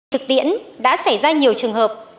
thực tiễn đã xảy ra nhiều trường hợp